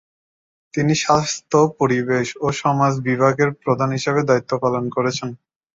তিনি স্বাস্থ্য, পরিবেশ ও সমাজ বিভাগের প্রধান হিসেবে দায়িত্ব পালন করেছেন।